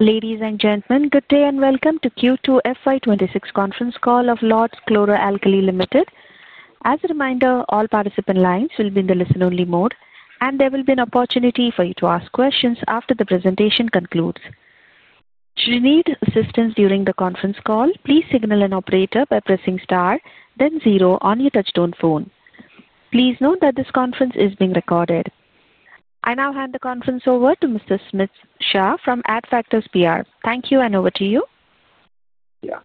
Ladies and gentlemen, good day and welcome to Q2 FY 2026 conference call of Lords Chloro Alkali Limited. As a reminder, all participant lines will be in the listen-only mode, and there will be an opportunity for you to ask questions after the presentation concludes. Should you need assistance during the conference call, please signal an operator by pressing star, then zero on your touchstone phone. Please note that this conference is being recorded. I now hand the conference over to Mr. Smit Shah from Adfactors PR. Thank you, and over to you. Yeah.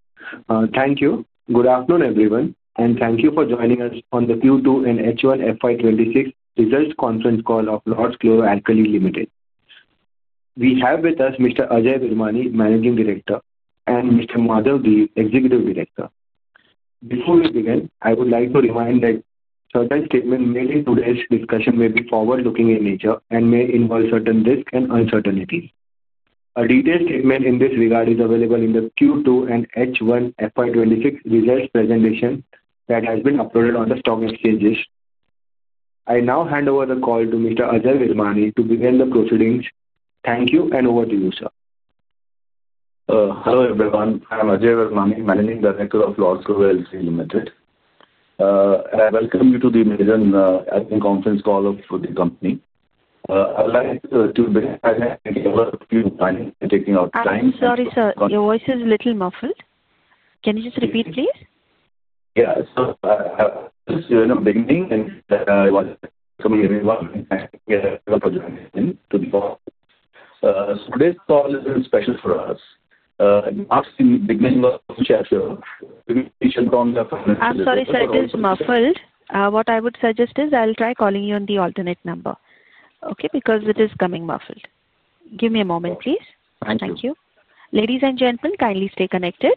Thank you. Good afternoon, everyone, and thank you for joining us on the Q2 and H1 FY 2026 results conference call of Lords Chloro Alkali Limited. We have with us Mr. Ajay Virmani, Managing Director, and Mr. Madhav Dhir, Executive Director. Before we begin, I would like to remind that certain statements made in today's discussion may be forward-looking in nature and may involve certain risks and uncertainties. A detailed statement in this regard is available in the Q2 and H1 FY 2026 results presentation that has been uploaded on the stock exchanges. I now hand over the call to Mr. Ajay Virmani to begin the proceedings. Thank you, and over to you, sir. Hello, everyone. I'm Ajay Virmani, Managing Director of Lords Chloro Alkali Limited. I welcome you to the amazing conference call of the company. I'd like to verify that we are taking our time. I'm sorry, sir. Your voice is a little muffled. Can you just repeat, please? Yeah. So I'm just beginning, and I welcome everyone and thank you for joining in. Today's call is special for us. In the beginning of the session, we shall call the. I'm sorry, sir. It is muffled. What I would suggest is I'll try calling you on the alternate number, okay, because it is coming muffled. Give me a moment, please. Thank you. Thank you. Ladies and gentlemen, kindly stay connected.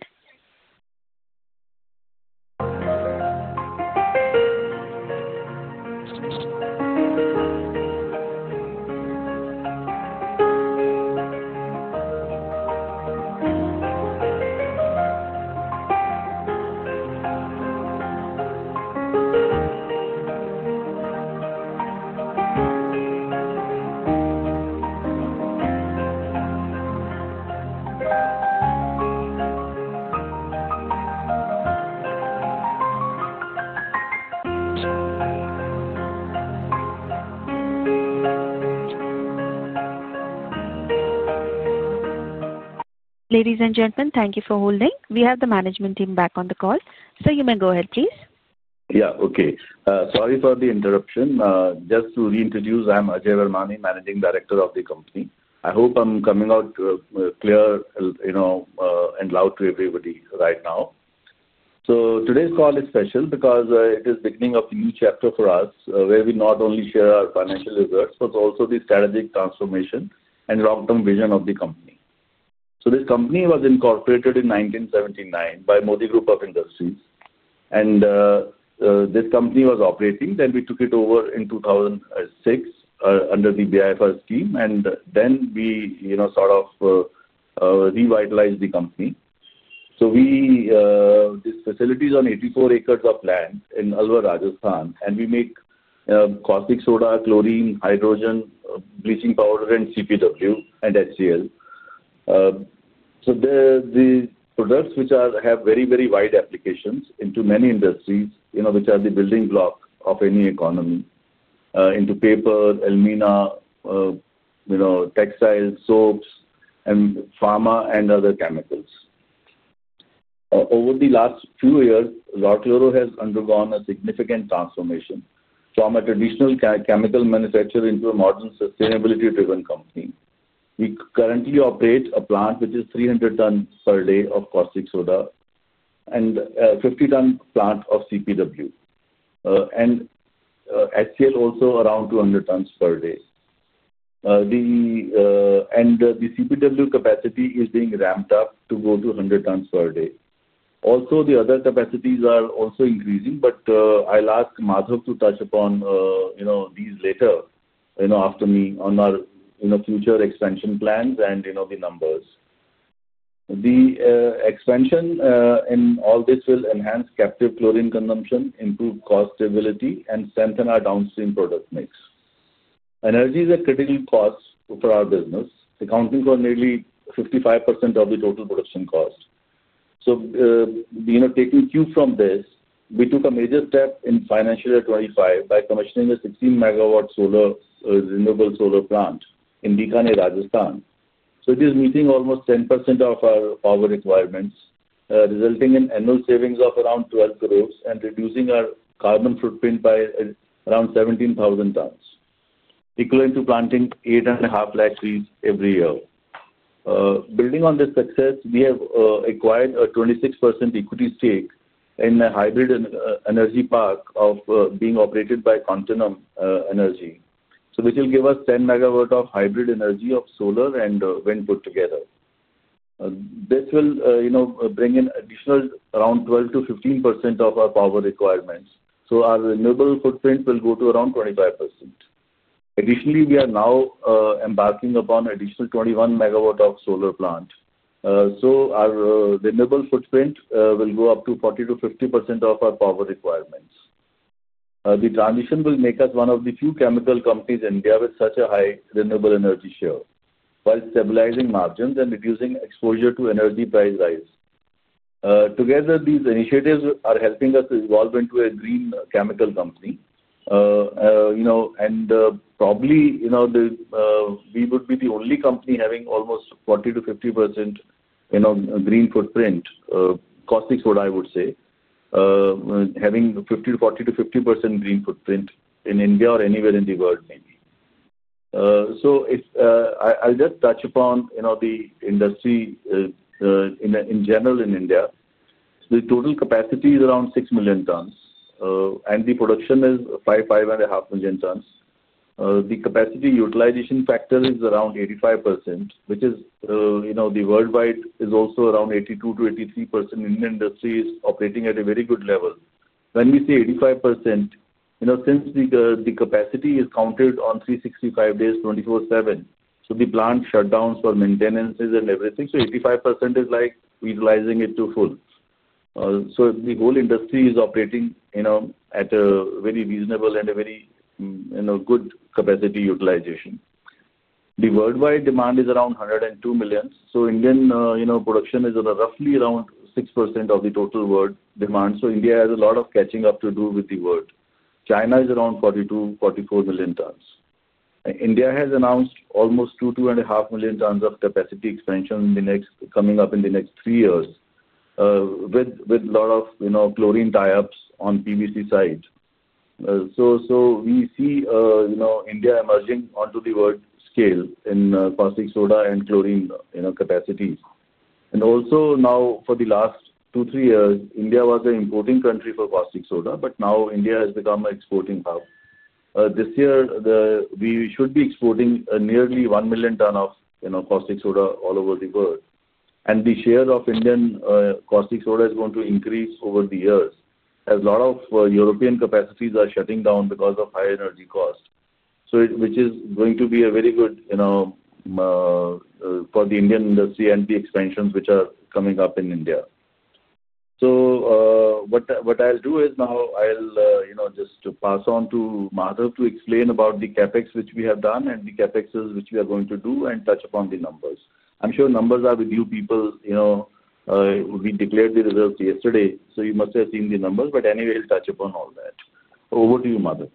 Ladies and gentlemen, thank you for holding. We have the management team back on the call, so you may go ahead, please. Yeah. Okay. Sorry for the interruption. Just to reintroduce, I'm Ajay Virmani, Managing Director of the company. I hope I'm coming out clear and loud to everybody right now. Today's call is special because it is the beginning of a new chapter for us where we not only share our financial results but also the strategic transformation and long-term vision of the company. This company was incorporated in 1979 by Modi Group of Industries, and this company was operating. We took it over in 2006 under the BIFR scheme, and we sort of revitalized the company. This facility is on 84 acres of land in Alwar, Rajasthan, and we make caustic soda, chlorine, hydrogen, bleaching powder, CPW, and HCL. The products which have very, very wide applications into many industries, which are the building block of any economy, into paper, alumina, textiles, soaps, and pharma, and other chemicals. Over the last few years, Lords Chloro has undergone a significant transformation from a traditional chemical manufacturer into a modern sustainability-driven company. We currently operate a plant which is 300 tons per day of caustic soda and a 50-ton plant of CPW, and HCl also around 200 tons per day. The CPW capacity is being ramped up to go to 100 tons per day. Also, the other capacities are also increasing, but I'll ask Madhav to touch upon these later after me on our future expansion plans and the numbers. The expansion in all this will enhance captive chlorine consumption, improve cost stability, and strengthen our downstream product mix. Energy is a critical cost for our business, accounting for nearly 55% of the total production cost. Taking cue from this, we took a major step in financial year 2025 by commissioning a 16 megawatt renewable solar plant in Bikaner, Rajasthan. It is meeting almost 10% of our power requirements, resulting in annual savings of 12 crore and reducing our carbon footprint by around 17,000 tons, equivalent to planting eight and a half lakh trees every year. Building on this success, we have acquired a 26% equity stake in a hybrid energy park being operated by Continuum Energy, which will give us 10 megawatts of hybrid energy of solar and wind put together. This will bring in an additional 12-15% of our power requirements. Our renewable footprint will go to around 25%. Additionally, we are now embarking upon an additional 21 megawatt of solar plant. Our renewable footprint will go up to 40-50% of our power requirements. The transition will make us one of the few chemical companies in India with such a high renewable energy share while stabilizing margins and reducing exposure to energy price rise. Together, these initiatives are helping us evolve into a green chemical company. Probably, we would be the only company having almost 40-50% green footprint, caustic soda, I would say, having 40-50% green footprint in India or anywhere in the world, maybe. I'll just touch upon the industry in general in India. The total capacity is around 6 million tons, and the production is 5-5.5 million tons. The capacity utilization factor is around 85%, which worldwide is also around 82-83%. The industry is operating at a very good level. When we say 85%, since the capacity is counted on 365 days, 24/7, the plant shutdowns for maintenance and everything, so 85% is like utilizing it to full. The whole industry is operating at a very reasonable and a very good capacity utilization. The worldwide demand is around 102 million. Indian production is roughly around 6% of the total world demand. India has a lot of catching up to do with the world. China is around 42-44 million tons. India has announced almost 2-2.5 million tons of capacity expansion coming up in the next three years with a lot of chlorine tie-ups on the PVC side. We see India emerging onto the world scale in caustic soda and chlorine capacities. Also now, for the last two, three years, India was an importing country for caustic soda, but now India has become an exporting hub. This year, we should be exporting nearly 1 million tons of caustic soda all over the world. The share of Indian caustic soda is going to increase over the years as a lot of European capacities are shutting down because of high energy cost, which is going to be very good for the Indian industry and the expansions which are coming up in India. What I'll do is now I'll just pass on to Madhav to explain about the CapEx which we have done and the CapExes which we are going to do and touch upon the numbers. I'm sure numbers are with you people. We declared the results yesterday, so you must have seen the numbers, but anyway, I'll touch upon all that. Over to you, Madhav.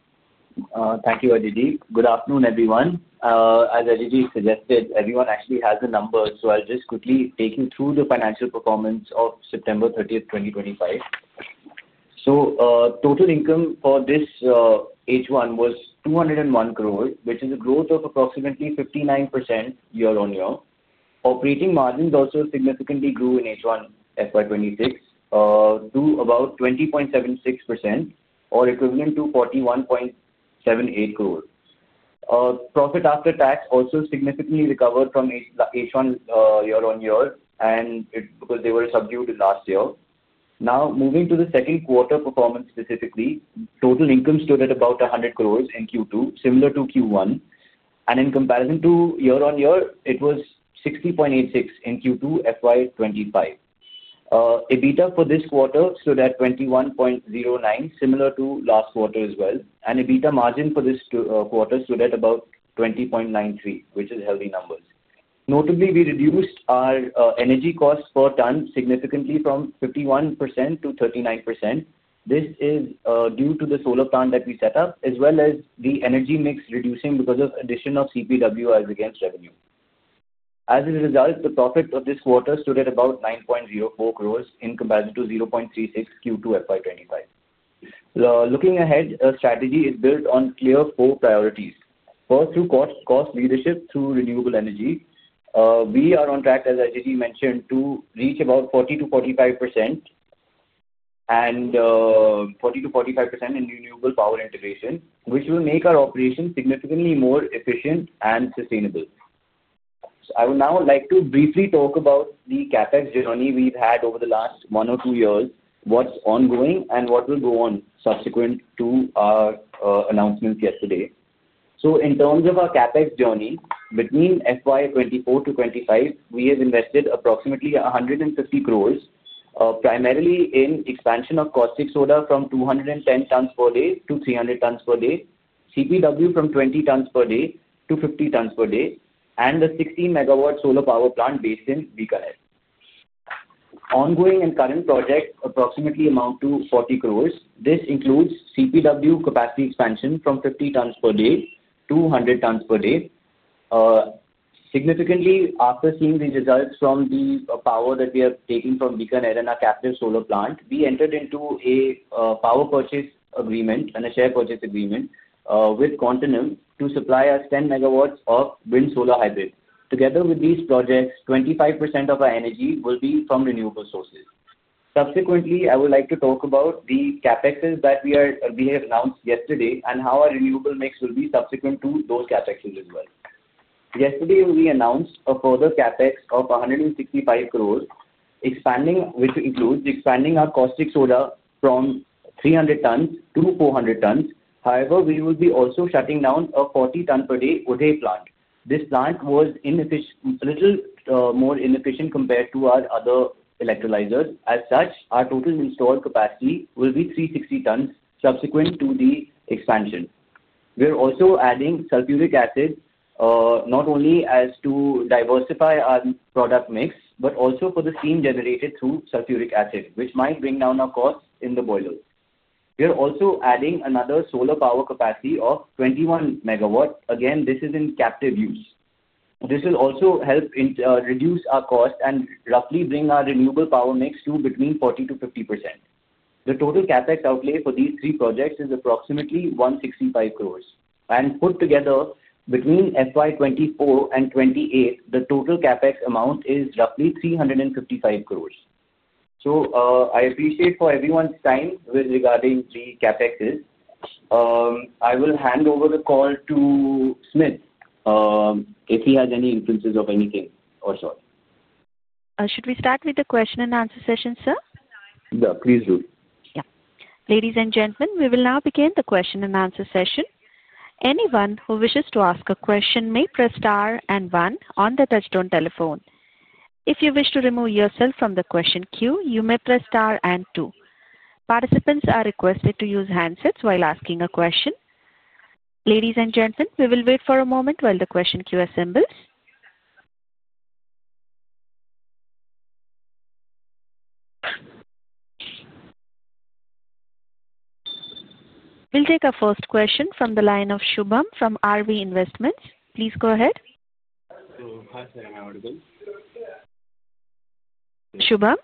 Thank you, Ajay Dee. Good afternoon, everyone. As Ajay Dee suggested, everyone actually has the numbers. I'll just quickly take you through the financial performance of September 30, 2025. Total income for this H1 was 201 crore, which is a growth of approximately 59% year on year. Operating margins also significantly grew in H1 FY 2026 to about 20.76% or equivalent to 41.78 crore. Profit after tax also significantly recovered from H1 year on year, because they were subdued last year. Now, moving to the second quarter performance specifically, total income stood at about 100 crore in Q2, similar to Q1. In comparison to year on year, it was 60.86 crore in Q2 FY 2025. EBITDA for this quarter stood at 21.09 crore, similar to last quarter as well. EBITDA margin for this quarter stood at about 20.93%, which is healthy numbers. Notably, we reduced our energy costs per ton significantly from 51% to 39%. This is due to the solar plant that we set up, as well as the energy mix reducing because of the addition of CPW as against revenue. As a result, the profit of this quarter stood at about 9.04 crore in comparison to 0.36 crore in Q2 FY 2025. Looking ahead, our strategy is built on clear four priorities. First, through cost leadership through renewable energy, we are on track, as Ajay Virmani mentioned, to reach about 40-45% and 40-45% in renewable power integration, which will make our operation significantly more efficient and sustainable. I would now like to briefly talk about the CapEx journey we have had over the last one or two years, what is ongoing, and what will go on subsequent to our announcements yesterday. In terms of our CapEx journey, between FY 2024 to 2025, we have invested approximately 150 crore primarily in expansion of caustic soda from 210 tons per day to 300 tons per day, CPW from 20 tons per day to 50 tons per day, and the 16-megawatt solar power plant based in Bikaner. Ongoing and current projects approximately amount to 40 crore. This includes CPW capacity expansion from 50 tons per day to 100 tons per day. Significantly, after seeing the results from the power that we are taking from Bikaner and our captive solar plant, we entered into a power purchase agreement and a share purchase agreement with Continuum to supply us 10 megawatts of wind solar hybrid. Together with these projects, 25% of our energy will be from renewable sources. Subsequently, I would like to talk about the CapExes that we have announced yesterday and how our renewable mix will be subsequent to those CapExes as well. Yesterday, we announced a further CapEx of 165 crore, which includes expanding our caustic soda from 300 tons-400 tons. However, we will be also shutting down a 40-ton-per-day plant. This plant was a little more inefficient compared to our other electrolyzers. As such, our total installed capacity will be 360 tons subsequent to the expansion. We're also adding sulfuric acid not only to diversify our product mix, but also for the steam generated through sulfuric acid, which might bring down our costs in the boilers. We're also adding another solar power capacity of 21 megawatts. Again, this is in captive use. This will also help reduce our cost and roughly bring our renewable power mix to between 40-50%. The total CapEx outlay for these three projects is approximately 165 crore. And put together, between FY 2024 and 2028, the total CapEx amount is roughly 355 crore. I appreciate everyone's time regarding the CapExes. I will hand over the call to Smit if he has any inferences or anything. Should we start with the question and answer session, sir? Yeah, please do. Yeah. Ladies and gentlemen, we will now begin the question and answer session. Anyone who wishes to ask a question may press star and one on the touchstone telephone. If you wish to remove yourself from the question queue, you may press star and two. Participants are requested to use handsets while asking a question. Ladies and gentlemen, we will wait for a moment while the question queue assembles. We'll take our first question from the line of Shubham from RV Investments. Please go ahead. Hi, sir. Am I audible? Shubham?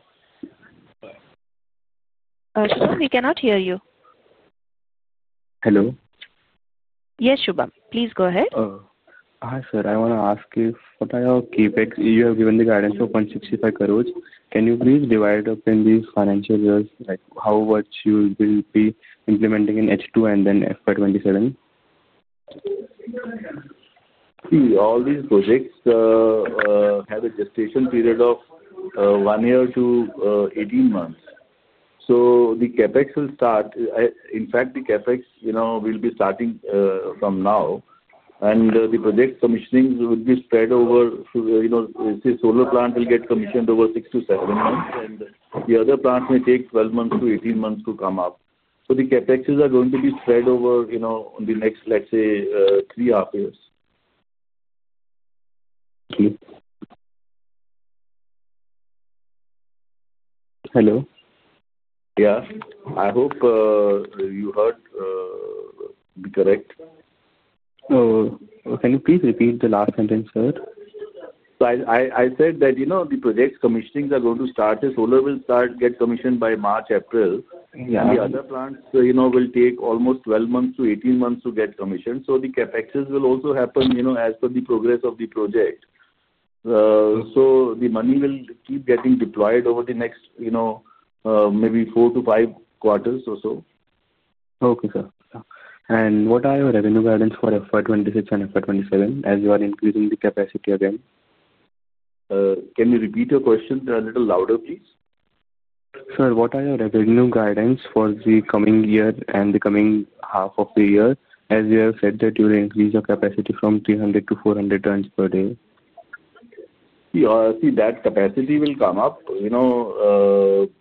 Hi. Shubham, we cannot hear you. Hello? Yes, Shubham. Please go ahead. Hi, sir. I want to ask if what I have given the guidance for 165 crore, can you please divide up in these financial years how much you will be implementing in H2 and then FY 2027? See, all these projects have a gestation period of one year to 18 months. The CapEx will start. In fact, the CapEx will be starting from now, and the project commissioning will be spread over. Let's say the solar plant will get commissioned over six to seven months, and the other plants may take 12 months to 18 months to come up. The CapExes are going to be spread over the next, let's say, three and a half years. Thank you. Hello. Yeah. I hope you heard me correct. Oh, can you please repeat the last sentence, sir? I said that the project commissionings are going to start. The solar will get commissioned by March, April. The other plants will take almost 12-18 months to get commissioned. The CapEx will also happen as per the progress of the project. The money will keep getting deployed over the next maybe four to five quarters or so. Okay, sir. What are your revenue guidance for FY2026 and FY2027 as you are increasing the capacity again? Can you repeat your question a little louder, please? Sir, what are your revenue guidance for the coming year and the coming half of the year as you have said that you will increase your capacity from 300-400 tons per day? See, that capacity will come up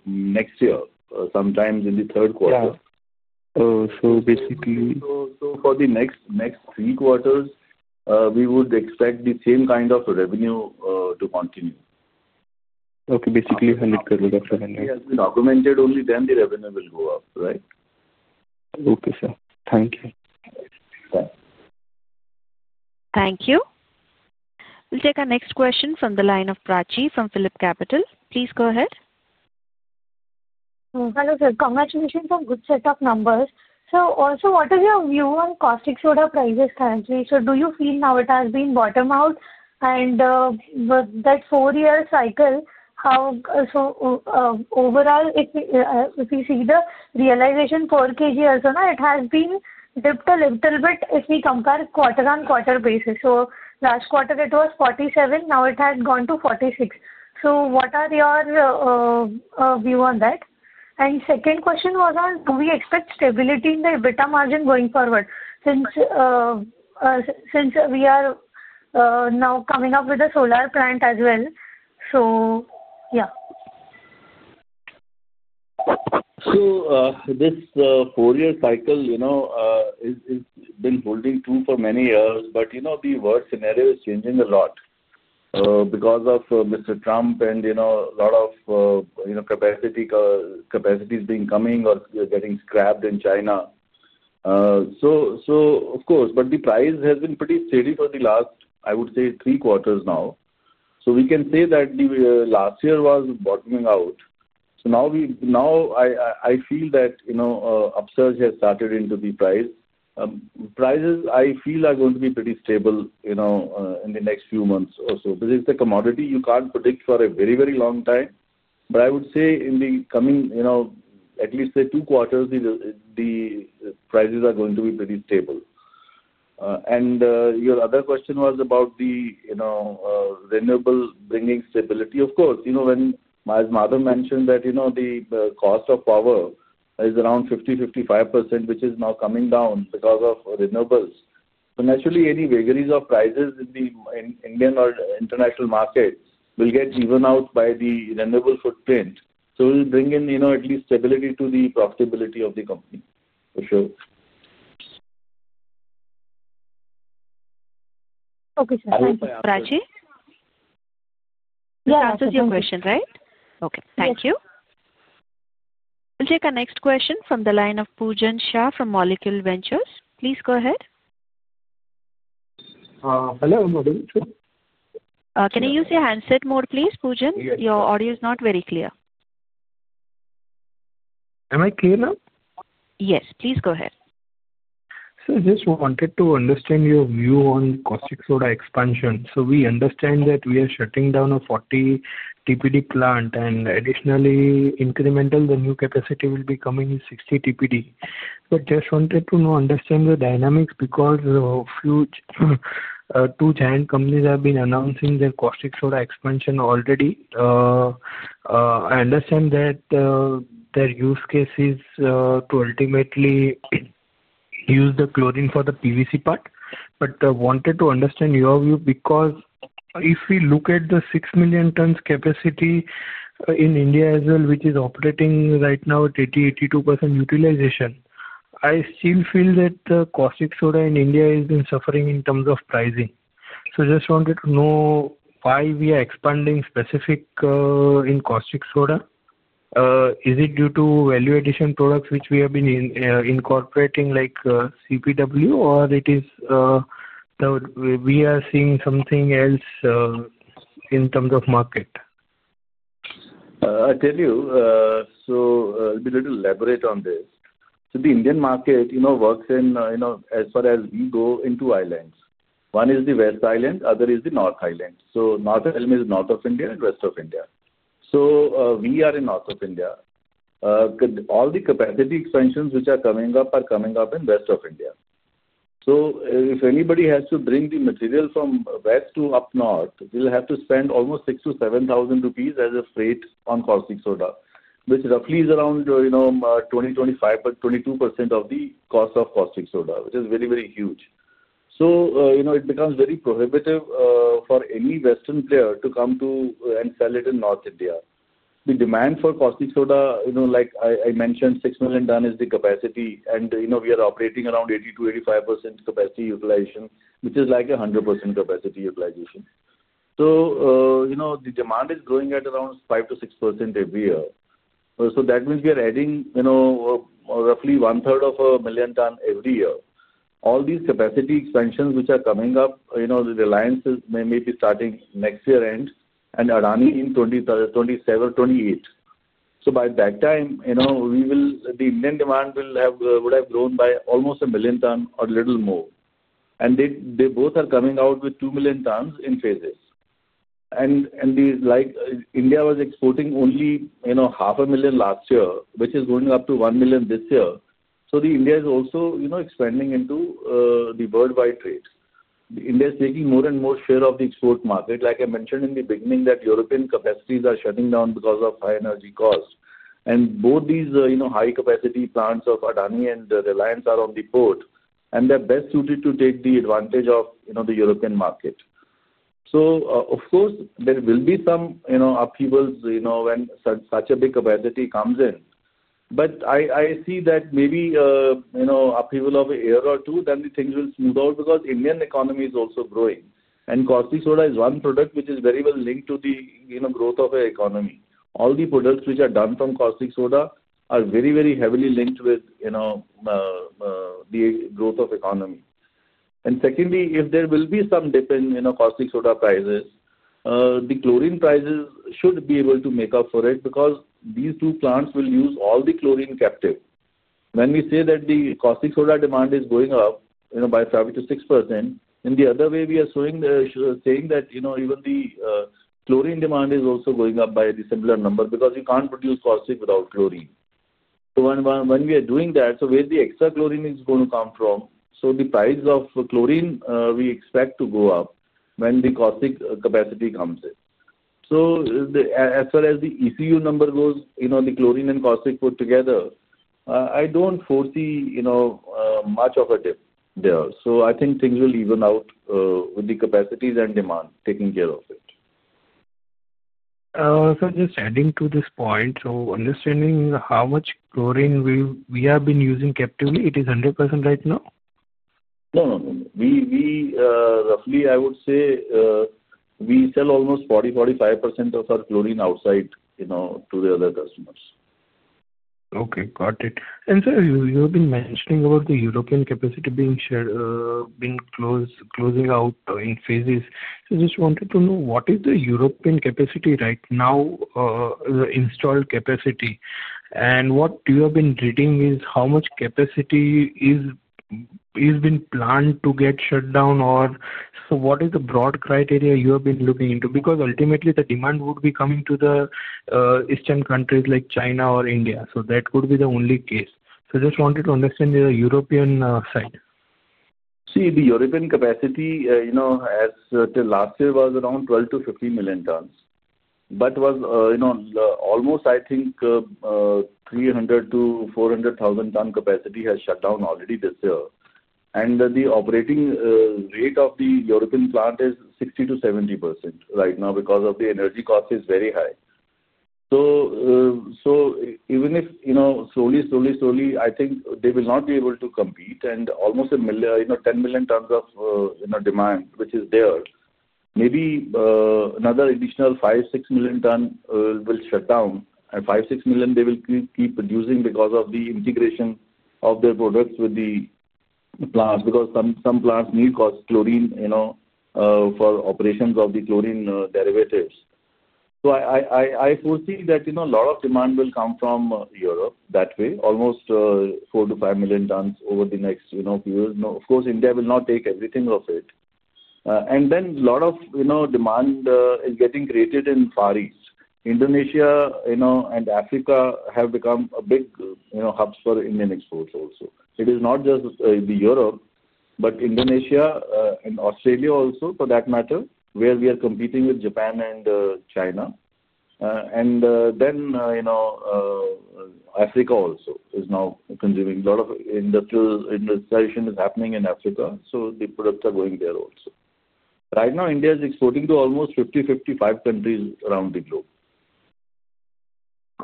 next year, sometime in the third quarter. Yeah. So basically. For the next three quarters, we would expect the same kind of revenue to continue. Okay. Basically, INR 100 crore after INR 100 crore. If it has been augmented, only then the revenue will go up, right? Okay, sir. Thank you. Bye. Thank you. We'll take our next question from the line of Prachi Badade from PhilipCapital. Please go ahead. Hello, sir. Congratulations on good set of numbers. Also, what is your view on caustic soda prices currently? Do you feel now it has been bottom out? With that four-year cycle, how overall, if we see the realization per kg also, it has dipped a little bit if we compare quarter-on-quarter basis. Last quarter, it was 47. Now it has gone to 46. What are your view on that? Second question was on do we expect stability in the EBITDA margin going forward since we are now coming up with a solar plant as well? Yeah. This four-year cycle has been holding true for many years, but the world scenario is changing a lot because of Mr. Trump and a lot of capacity being coming or getting scrapped in China. Of course, the price has been pretty steady for the last, I would say, three quarters now. We can say that last year was bottoming out. Now I feel that upsurge has started into the price. Prices, I feel, are going to be pretty stable in the next few months or so. This is a commodity you can't predict for a very, very long time. I would say in the coming, at least, say, two quarters, the prices are going to be pretty stable. Your other question was about the renewable bringing stability. Of course, as Madhav mentioned, the cost of power is around 50-55%, which is now coming down because of renewables. Naturally, any wageries of prices in the Indian or international market will get evened out by the renewable footprint. It will bring in at least stability to the profitability of the company, for sure. Okay, sir. Thank you, Prachi. Yeah. That was your question, right? Okay. Thank you. We'll take our next question from the line of Pujan Shah from Molecule Ventures. Please go ahead. Hello, Madhav. Can you use your handset mode, please, Pujan? Your audio is not very clear. Am I clear now? Yes. Please go ahead. Sir, just wanted to understand your view on caustic soda expansion. We understand that we are shutting down a 40 TPD plant, and additionally, incremental, the new capacity will be coming 60 TPD. Just wanted to understand the dynamics because two giant companies have been announcing their caustic soda expansion already. I understand that their use case is to ultimately use the chlorine for the PVC part. Wanted to understand your view because if we look at the 6 million tons capacity in India as well, which is operating right now at 80-82% utilization, I still feel that the caustic soda in India has been suffering in terms of pricing. Just wanted to know why we are expanding specific in caustic soda. Is it due to value-addition products which we have been incorporating, like CPW, or we are seeing something else in terms of market? I'll tell you. I'll be a little elaborate on this. The Indian market works as far as we go into islands. One is the West Island, the other is the North Island. North Island is north of India and west of India. We are in north of India. All the capacity expansions which are coming up are coming up in west of India. If anybody has to bring the material from west to up north, they'll have to spend almost 6,000-7,000 rupees as a freight on caustic soda, which roughly is around 20%, 25%, or 22% of the cost of caustic soda, which is very, very huge. It becomes very prohibitive for any Western player to come to and sell it in north India. The demand for caustic soda, like I mentioned, 6 million tons is the capacity. We are operating around 80-85% capacity utilization, which is like 100% capacity utilization. The demand is growing at around 5-6% every year. That means we are adding roughly 333,333 tons every year. All these capacity expansions which are coming up, Reliance may be starting next year end and Adani in 2027-2028. By that time, the Indian demand would have grown by almost 1,000,000 tons or a little more. They both are coming out with 2,000,000 tons in phases. India was exporting only 500,000 tons last year, which is going up to 1,000,000 tons this year. India is also expanding into the worldwide trade. India is taking more and more share of the export market. Like I mentioned in the beginning, European capacities are shutting down because of high energy costs. Both these high-capacity plants of Adani and Reliance are on the port, and they're best suited to take the advantage of the European market. Of course, there will be some upheavals when such a big capacity comes in. I see that maybe upheaval of a year or two, then things will smooth out because the Indian economy is also growing. Caustic soda is one product which is very well linked to the growth of the economy. All the products which are done from caustic soda are very, very heavily linked with the growth of the economy. Secondly, if there will be some dip in caustic soda prices, the chlorine prices should be able to make up for it because these two plants will use all the chlorine captive. When we say that the caustic soda demand is going up by 5-6%, in the other way, we are saying that even the chlorine demand is also going up by a similar number because you cannot produce caustic without chlorine. When we are doing that, where is the extra chlorine going to come from? The price of chlorine we expect to go up when the caustic capacity comes in. As far as the ECU number goes, the chlorine and caustic put together, I do not foresee much of a dip there. I think things will even out with the capacities and demand taking care of it. Sir, just adding to this point, so understanding how much chlorine we have been using captively, it is 100% right now? No, no, no. Roughly, I would say we sell almost 40-45% of our chlorine outside to the other customers. Okay. Got it. Sir, you have been mentioning about the European capacity being closing out in phases. I just wanted to know what is the European capacity right now, the installed capacity? What you have been reading is how much capacity has been planned to get shut down? What is the broad criteria you have been looking into? Ultimately, the demand would be coming to the Eastern countries like China or India. That would be the only case. I just wanted to understand the European side. See, the European capacity, as I said last year, was around 12-15 million tons. Almost, I think, 300,000-400,000 ton capacity has shut down already this year. The operating rate of the European plant is 60-70% right now because the energy cost is very high. Even if, slowly, slowly, I think they will not be able to compete. Almost 10 million tons of demand, which is there, maybe another additional 5-6 million tons will shut down. Five to six million, they will keep producing because of the integration of their products with the plants, because some plants need chlorine for operations of the chlorine derivatives. I foresee that a lot of demand will come from Europe that way, almost 4-5 million tons over the next few years. Of course, India will not take everything of it. A lot of demand is getting created in Far East. Indonesia and Africa have become big hubs for Indian exports also. It is not just Europe, but Indonesia and Australia also, for that matter, where we are competing with Japan and China. Africa also is now consuming. A lot of industrial insertion is happening in Africa. The products are going there also. Right now, India is exporting to almost 50-55 countries around the globe.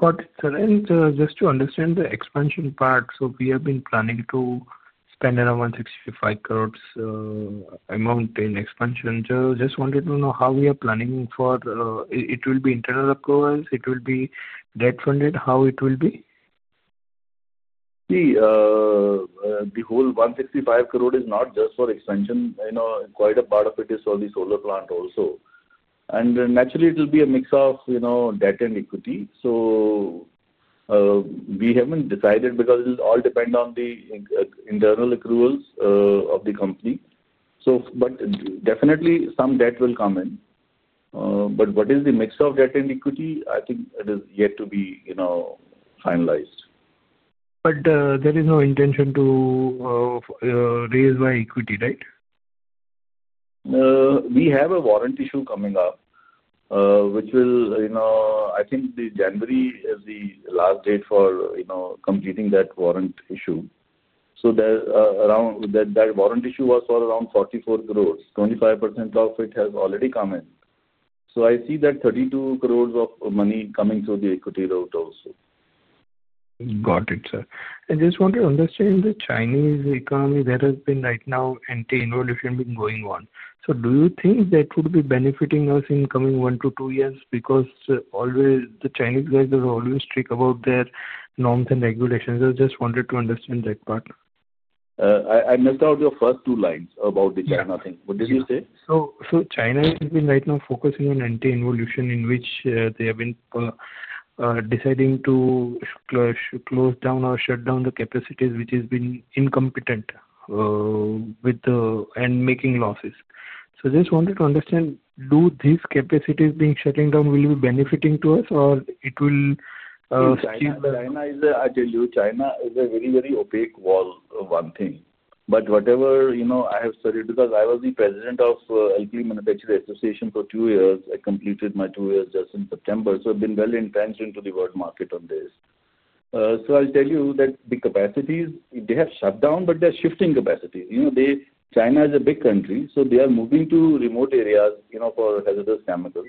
Got it, sir. Just to understand the expansion part, we have been planning to spend around 165 crore amount in expansion. Just wanted to know how we are planning for it. Will it be internal accruals? Will it be debt funded? How will it be? See, the whole 165 crore is not just for expansion. Quite a part of it is for the solar plant also. Naturally, it will be a mix of debt and equity. We have not decided because it will all depend on the internal accruals of the company. Definitely, some debt will come in. What is the mix of debt and equity? I think it is yet to be finalized. There is no intention to raise by equity, right? We have a warrant issue coming up, which will, I think, the January is the last date for completing that warrant issue. That warrant issue was for around 44 crore. 25% of it has already come in. I see that 32 crore of money coming through the equity route also. Got it, sir. I just want to understand the Chinese economy that has been right now and the involvement going on. Do you think that would be benefiting us in the coming one to two years? The Chinese guys are always strict about their norms and regulations. I just wanted to understand that part. I missed out your first two lines about the China thing. What did you say? China has been right now focusing on anti-involution, in which they have been deciding to close down or shut down the capacities, which has been incompetent and making losses. I just wanted to understand, do these capacities being shut down will be benefiting to us, or it will? China is a—I tell you, China is a very, very opaque wall, one thing. But whatever I have studied because I was the president of Alkali Manufacturing Association for two years. I completed my two years just in September. I have been well entrenched into the world market on this. I will tell you that the capacities, they have shut down, but they are shifting capacities. China is a big country, so they are moving to remote areas for hazardous chemicals.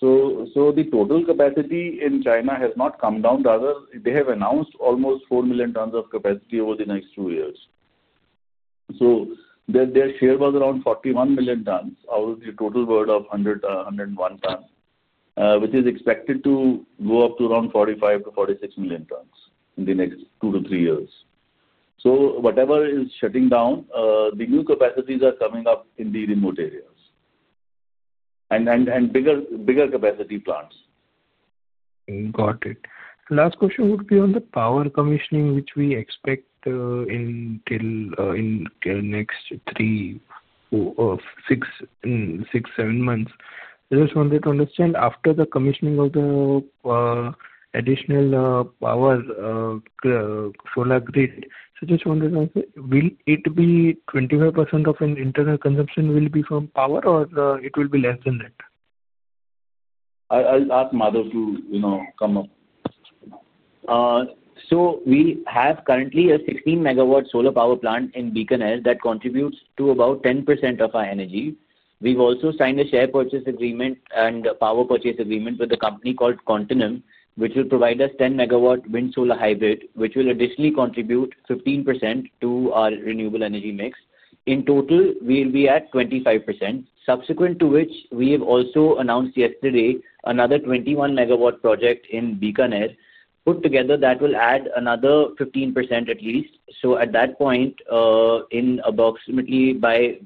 The total capacity in China has not come down. Rather, they have announced almost 4 million tons of capacity over the next two years. Their share was around 41 million tons out of the total world of 101 million tons, which is expected to go up to around 45-46 million tons in the next two to three years. Whatever is shutting down, the new capacities are coming up in the remote areas and bigger capacity plants. Got it. Last question would be on the power commissioning, which we expect in the next three, six, seven months. I just wanted to understand, after the commissioning of the additional power solar grid, so just wanted to understand, will it be 25% of an internal consumption will be from power, or it will be less than that? I'll ask Madhav to come up. We have currently a 16-megawatt solar power plant in Bikaner that contributes to about 10% of our energy. We've also signed a share purchase agreement and power purchase agreement with a company called Continuum, which will provide us 10-megawatt wind solar hybrid, which will additionally contribute 15% to our renewable energy mix. In total, we'll be at 25%. Subsequent to which, we have also announced yesterday another 21-megawatt project in Bikaner. Put together, that will add another 15% at least. At that point, in approximately by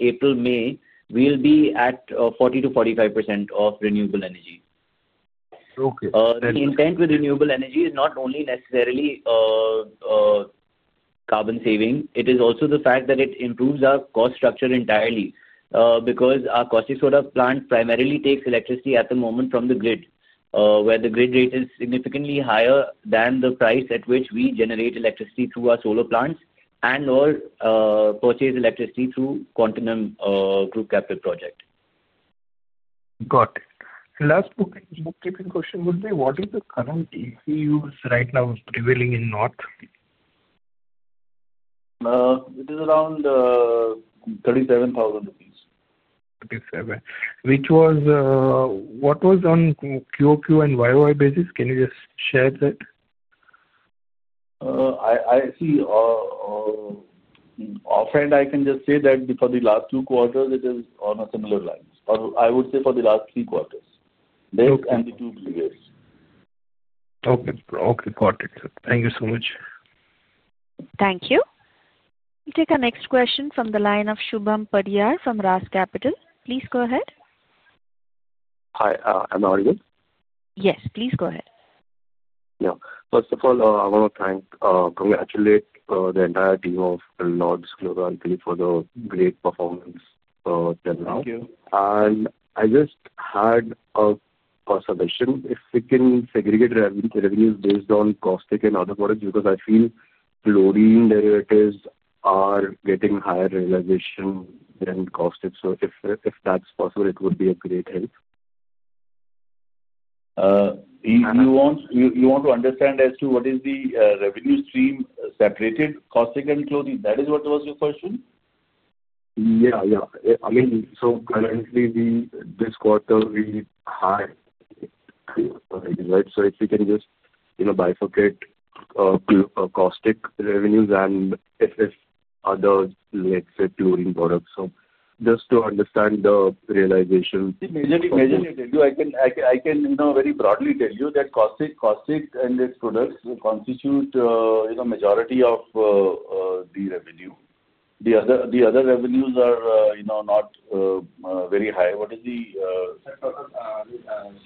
April, May, we'll be at 40-45% of renewable energy. The intent with renewable energy is not only necessarily carbon saving. It is also the fact that it improves our cost structure entirely because our caustic soda plant primarily takes electricity at the moment from the grid, where the grid rate is significantly higher than the price at which we generate electricity through our solar plants and/or purchase electricity through Continuum group captive project. Got it. Last bookkeeping question would be, what is the current ECUs right now prevailing in North? It is around 37,000 rupees. What was on QoQ and YOY basis? Can you just share that? See, offhand, I can just say that for the last two quarters, it is on a similar line. I would say for the last three quarters, and the two previous. Okay. Okay. Got it. Thank you so much. Thank you. We'll take a next question from the line of Shubham Padiar from Ras Capital. Please go ahead. Hi. Am I audible? Yes. Please go ahead. Yeah. First of all, I want to thank, congratulate the entire team of Lords Chloro Alkali for the great performance till now. Thank you. I just had a suggestion if we can segregate revenues based on caustic and other products because I feel chlorine derivatives are getting higher realization than caustic. If that's possible, it would be a great help. You want to understand as to what is the revenue stream separated, caustic and chlorine? That is what was your question? Yeah. Yeah. I mean, so currently, this quarter, we—high, right? If we can just bifurcate caustic revenues and if other, let's say, chlorine products, just to understand the realization. Immediately tell you, I can very broadly tell you that caustic and its products constitute the majority of the revenue. The other revenues are not very high. What is the?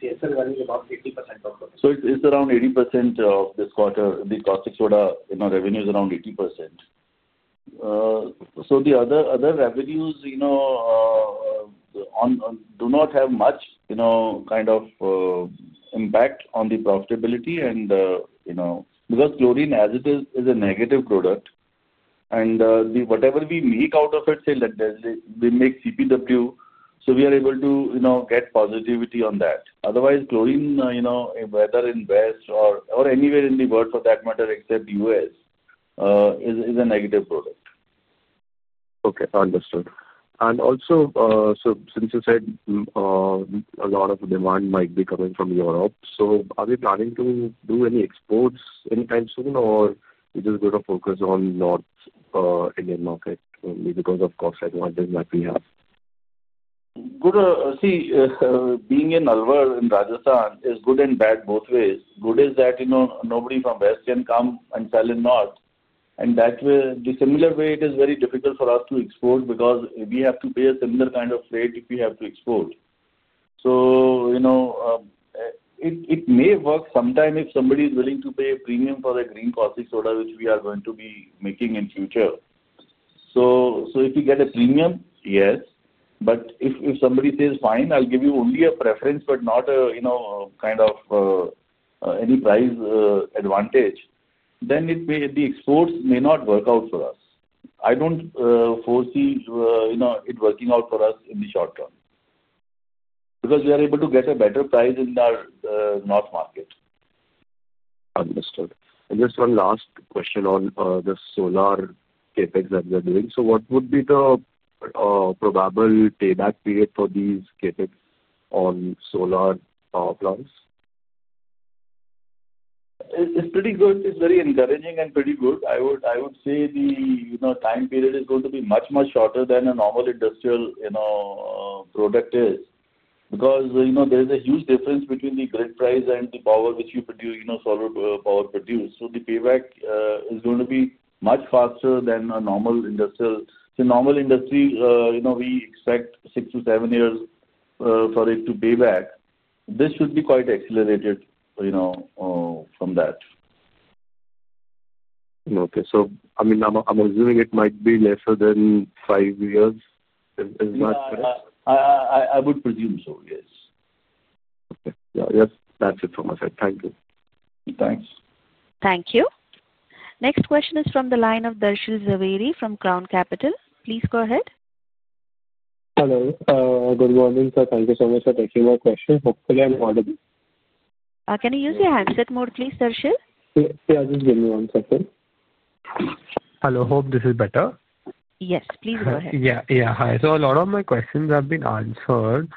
CSR revenue is about 80% of. It is around 80% of this quarter. The caustic soda revenue is around 80%. The other revenues do not have much kind of impact on the profitability. Because chlorine, as it is, is a negative product. Whatever we make out of it, say that we make CPW, we are able to get positivity on that. Otherwise, chlorine, whether in West or anywhere in the world, for that matter, except US, is a negative product. Okay. Understood. Also, since you said a lot of demand might be coming from Europe, are we planning to do any exports anytime soon, or is it going to focus on North Indian market only because of cost advantage that we have? See, being in Alwar, in Rajasthan, is good and bad both ways. Good is that nobody from West can come and sell in North. That way, the similar way, it is very difficult for us to export because we have to pay a similar kind of rate if we have to export. It may work sometime if somebody is willing to pay a premium for a green caustic soda, which we are going to be making in future. If you get a premium, yes. If somebody says, "Fine, I'll give you only a preference, but not a kind of any price advantage," then the exports may not work out for us. I do not foresee it working out for us in the short term because we are able to get a better price in our North market. Understood. Just one last question on the solar CapEx that we are doing. What would be the probable payback period for these CapEx on solar plants? It's pretty good. It's very encouraging and pretty good. I would say the time period is going to be much, much shorter than a normal industrial product is because there is a huge difference between the grid price and the power which you produce, solar power produced. The payback is going to be much faster than a normal industrial. Normal industry, we expect six to seven years for it to pay back. This should be quite accelerated from that. Okay. So I mean, I'm assuming it might be lesser than five years, is not correct? I would presume so, yes. Okay. Yes. That's it from my side. Thank you. Thanks. Thank you. Next question is from the line of Darshil Jhaveri from Crown Capital. Please go ahead. Hello. Good morning, sir. Thank you so much for taking my question. Hopefully, I'm audible. Can you use your handset mode, please, Darshil? Yeah. Just give me one second. Hello. Hope this is better. Yes. Please go ahead. Yeah. Yeah. Hi. So a lot of my questions have been answered.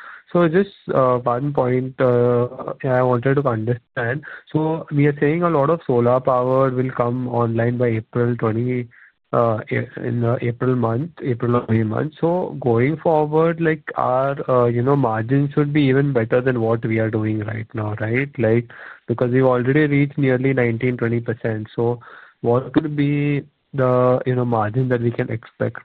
Just one point I wanted to understand. We are saying a lot of solar power will come online by April month, April or May month. Going forward, our margin should be even better than what we are doing right now, right? Because we've already reached nearly 19-20%. What could be the margin that we can expect?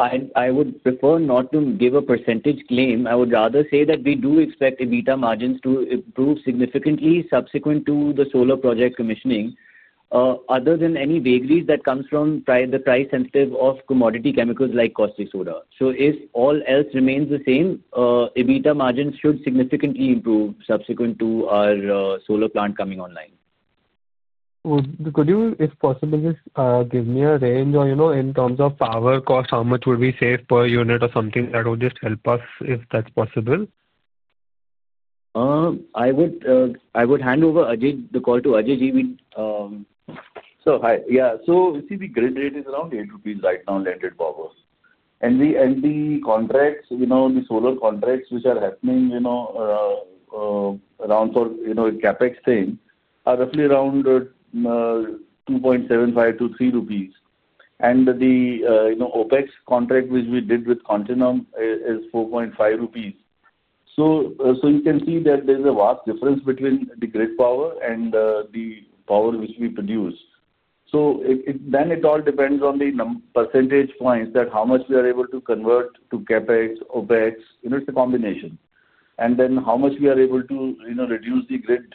I would prefer not to give a percentage claim. I would rather say that we do expect EBITDA margins to improve significantly subsequent to the solar project commissioning, other than any vagaries that come from the price sensitivity of commodity chemicals like caustic soda. If all else remains the same, EBITDA margins should significantly improve subsequent to our solar plant coming online. Could you, if possible, just give me a range or in terms of power cost, how much would we save per unit or something? That would just help us if that's possible. I would hand over the call to Ajay G. So yeah. You see, the grid rate is around 8 rupees right now, landed power. The contracts, the solar contracts which are happening around for CapEx thing are roughly around 2.75-3 rupees. The OpEx contract, which we did with Continuum, is 4.5 rupees. You can see that there is a vast difference between the grid power and the power which we produce. It all depends on the percentage points that how much we are able to convert to CapEx, OpEx. It is a combination. How much we are able to reduce the grid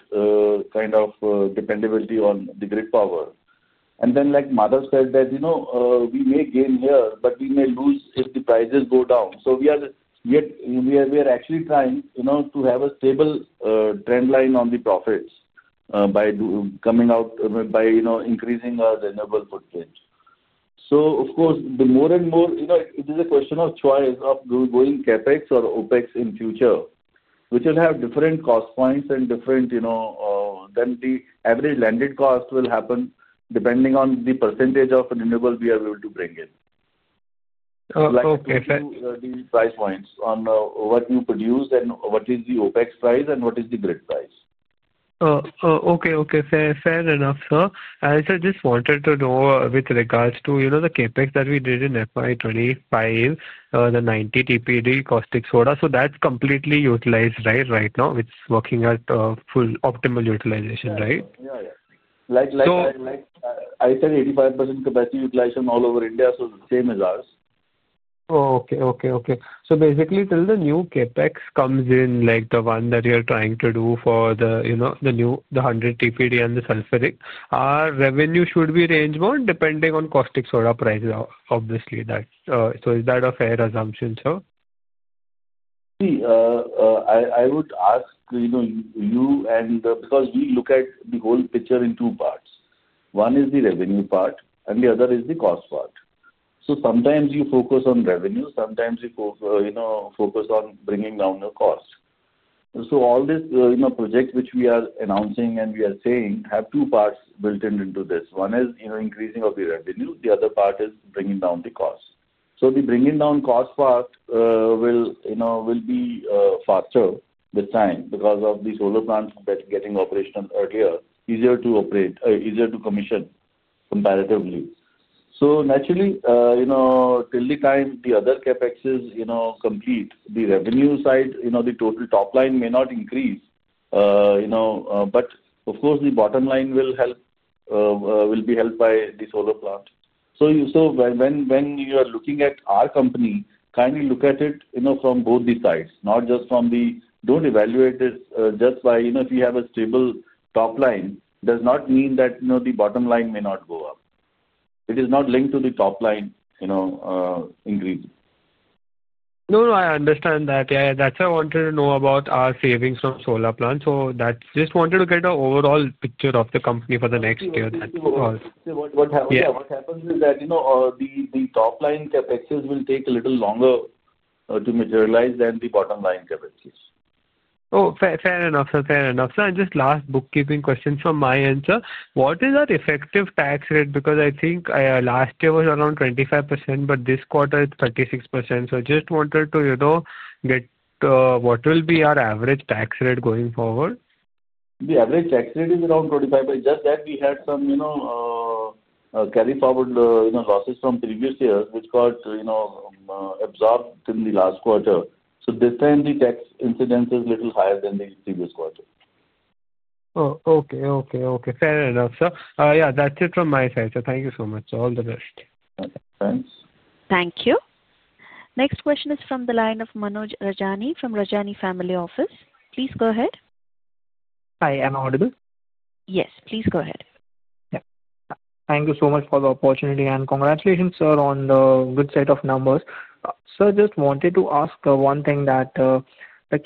kind of dependability on the grid power. Like Madhav said, we may gain here, but we may lose if the prices go down. We are actually trying to have a stable trend line on the profits by increasing our renewable footprint. Of course, the more and more it is a question of choice of going CapEx or OpEx in future, which will have different cost points and then the average landed cost will happen depending on the percentage of renewable we are able to bring in. Like the price points on what you produce and what is the OpEx price and what is the grid price. Okay. Okay. Fair enough, sir. I just wanted to know with regards to the CapEx that we did in FY 2025, the 90 TPD caustic soda. So that's completely utilized, right? Right now, it's working at full optimal utilization, right? Yeah. Yeah. Like I said, 85% capacity utilization all over India, so same as ours. Oh, okay. Okay. Okay. Basically, till the new CapEx comes in, like the one that you're trying to do for the 100 TPD and the sulfuric, our revenue should be rangebound depending on caustic soda price, obviously. Is that a fair assumption, sir? See, I would ask you and because we look at the whole picture in two parts. One is the revenue part, and the other is the cost part. Sometimes you focus on revenue, sometimes you focus on bringing down your cost. All these projects which we are announcing and we are saying have two parts built into this. One is increasing of the revenue. The other part is bringing down the cost. The bringing down cost part will be faster with time because of the solar plants getting operational earlier, easier to operate, easier to commission comparatively. Naturally, till the time the other CapExes complete, the revenue side, the total top line may not increase. Of course, the bottom line will be held by the solar plant. When you are looking at our company, kindly look at it from both the sides, not just from the, don't evaluate this just by if you have a stable top line, does not mean that the bottom line may not go up. It is not linked to the top line increase. No, no. I understand that. Yeah. That's what I wanted to know about our savings from solar plant. Just wanted to get an overall picture of the company for the next year. That's all. Yeah. What happens is that the top line CapExes will take a little longer to materialize than the bottom line CapExes. Oh, fair enough, sir. Fair enough. And just last bookkeeping question from my end, sir. What is our effective tax rate? Because I think last year was around 25%, but this quarter, it's 36%. So I just wanted to get what will be our average tax rate going forward? The average tax rate is around 25%. Just that we had some carryforward losses from previous years which got absorbed in the last quarter. So this time, the tax incidence is a little higher than the previous quarter. Oh, okay. Okay. Okay. Fair enough, sir. Yeah. That's it from my side, sir. Thank you so much. All the best. Thanks. Thank you. Next question is from the line of Manoj Rajani from Rajani Family Office. Please go ahead. Hi. Am I audible? Yes. Please go ahead. Yeah. Thank you so much for the opportunity. Congratulations, sir, on the good set of numbers. Sir, just wanted to ask one thing that I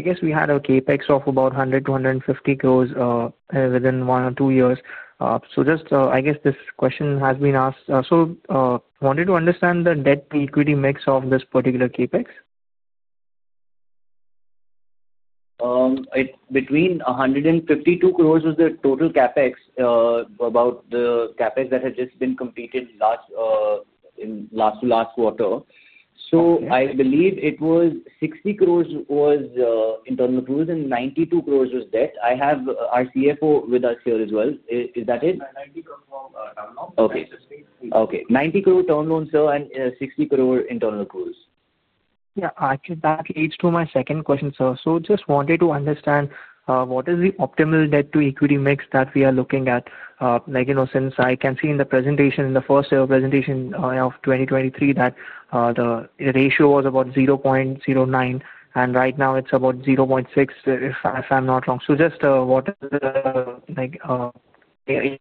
guess we had a CapEx of about 100-150 crore within one or two years. I guess this question has been asked. Wanted to understand the debt to equity mix of this particular CapEx. Between 152 crores was the total CapEx, about the CapEx that had just been completed last quarter. So I believe it was 60 crores was internal crores and 92 crores was debt. I have our CFO with us here as well. Is that it? 90 crores for download. Okay. Okay. 90 crore turnload, sir, and 60 crore internal crores. Yeah. That leads to my second question, sir. Just wanted to understand what is the optimal debt to equity mix that we are looking at. Since I can see in the presentation, in the first presentation of 2023, that the ratio was about 0.09, and right now it's about 0.6, if I'm not wrong. Just what is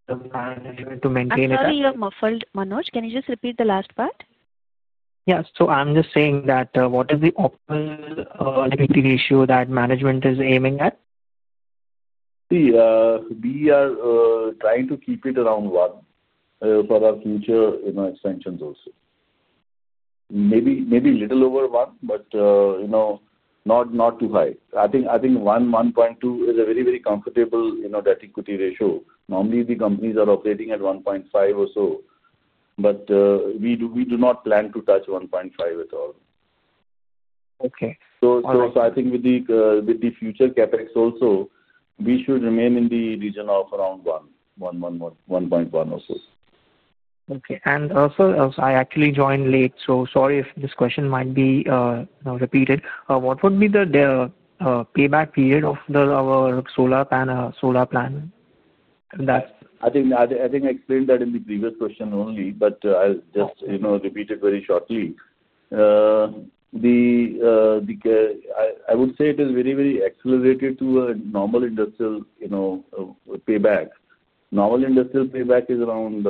the management to maintain it at? I hear you're muffled, Manoj. Can you just repeat the last part? Yeah. I'm just saying that what is the optimal equity ratio that management is aiming at? See, we are trying to keep it around one for our future expansions also. Maybe a little over one, but not too high. I think one, 1.2 is a very, very comfortable debt equity ratio. Normally, the companies are operating at 1.5 or so. We do not plan to touch 1.5 at all. Okay. I think with the future CapEx also, we should remain in the region of around 1.1 or so. Okay. I actually joined late, so sorry if this question might be repeated. What would be the payback period of our solar plan? I think I explained that in the previous question only, but I'll just repeat it very shortly. I would say it is very, very accelerated to a normal industrial payback. Normal industrial payback is around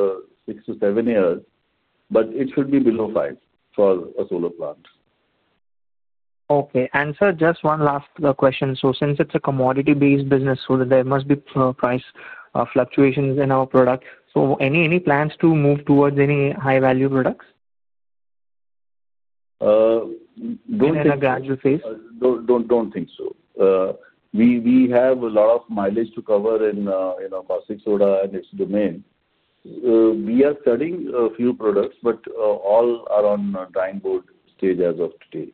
6-7 years, but it should be below 5 for a solar plant. Okay. And sir, just one last question. Since it's a commodity-based business, there must be price fluctuations in our product. Any plans to move towards any high-value products? Don't think so. In a gradual phase? Don't think so. We have a lot of mileage to cover in caustic soda and its domain. We are studying a few products, but all are on drawing board stage as of today.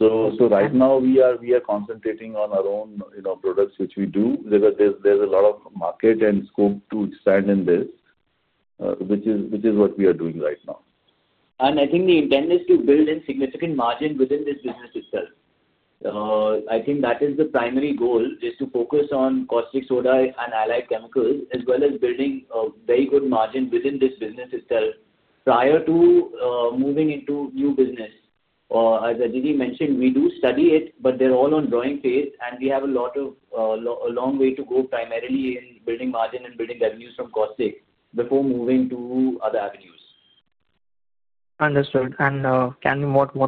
Right now, we are concentrating on our own products, which we do. There's a lot of market and scope to expand in this, which is what we are doing right now. I think the intent is to build in significant margin within this business itself. I think that is the primary goal, to focus on caustic soda and allied chemicals, as well as building a very good margin within this business itself prior to moving into new business. As Ajay Ji mentioned, we do study it, but they are all on drawing phase, and we have a long way to go primarily in building margin and building revenues from caustic before moving to other avenues. Understood. What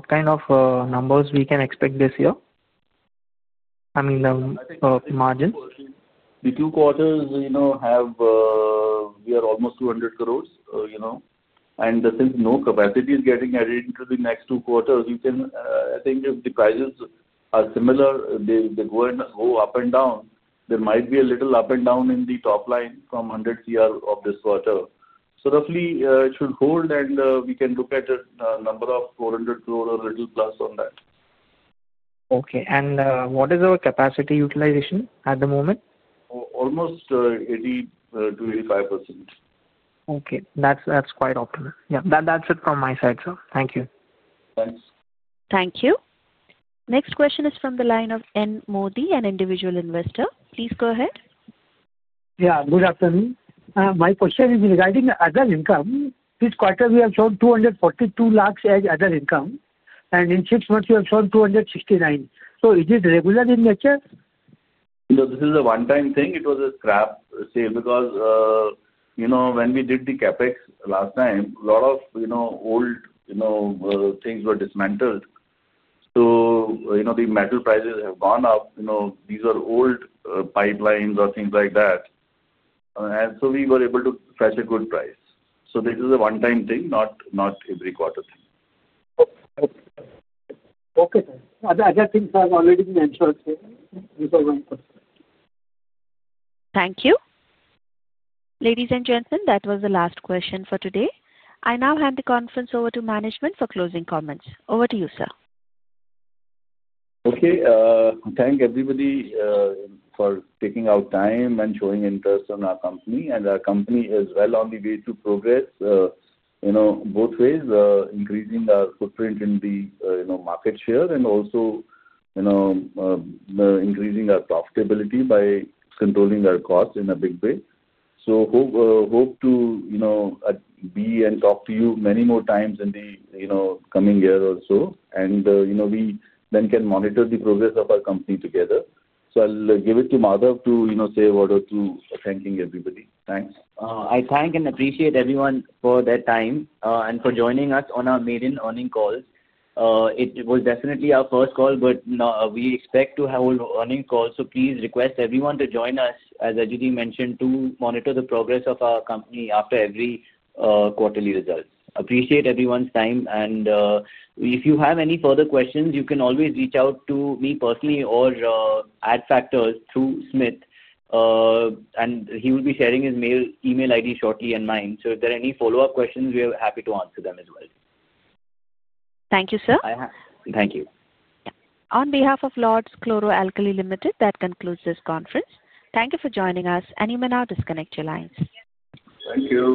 kind of numbers can we expect this year? I mean, margin? The two quarters have we are almost 200 crore. Since no capacity is getting added into the next two quarters, I think the prices are similar. They go up and down. There might be a little up and down in the top line from 100 crore of this quarter. Roughly, it should hold, and we can look at a number of 400 crore or a little plus on that. Okay. What is our capacity utilization at the moment? Almost 80-85%. Okay. That's quite optimal. Yeah. That's it from my side, sir. Thank you. Thanks. Thank you. Next question is from the line of N. Modi, an individual investor. Please go ahead. Yeah. Good afternoon. My question is regarding other income. This quarter, we have shown 24.2 million as other income. And in six months, we have shown 26.9 million. Is it regular in nature? No, this is a one-time thing. It was a scrap sale because when we did the CapEx last time, a lot of old things were dismantled. The metal prices have gone up. These are old pipelines or things like that. We were able to fetch a good price. This is a one-time thing, not every quarter thing. Okay. Other things have already been ensured. Thank you. Thank you. Ladies and gentlemen, that was the last question for today. I now hand the conference over to management for closing comments. Over to you, sir. Okay. Thank everybody for taking our time and showing interest in our company. Our company is well on the way to progress both ways, increasing our footprint in the market share and also increasing our profitability by controlling our costs in a big way. Hope to be and talk to you many more times in the coming years or so. We then can monitor the progress of our company together. I'll give it to Madhav to say a word or two, thanking everybody. Thanks. I thank and appreciate everyone for their time and for joining us on our main earnings calls. It was definitely our first call, but we expect to hold earnings calls. Please request everyone to join us, as Ajay Ji mentioned, to monitor the progress of our company after every quarterly result. Appreciate everyone's time. If you have any further questions, you can always reach out to me personally or Adfactors through Smith. He will be sharing his email ID shortly and mine. If there are any follow-up questions, we are happy to answer them as well. Thank you, sir. Thank you. Yeah. On behalf of Lords Chloro Alkali Limited, that concludes this conference. Thank you for joining us. You may now disconnect your lines. Thank you.